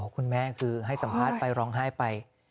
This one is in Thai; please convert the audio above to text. คุณแม่คือให้สัมภาษณ์ไปร้องไห้ไป